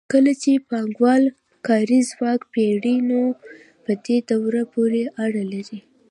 کله چې پانګوال کاري ځواک پېري نو په دوی پورې اړه لري